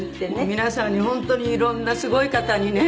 皆さんに本当にいろんなすごい方にね。